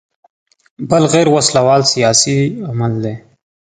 بل غیر وسله وال سیاسي عمل دی.